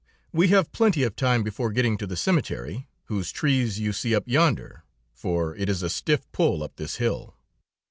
We have plenty of time before getting to the cemetery, whose trees you see up yonder, for it is a stiff pull up this hill."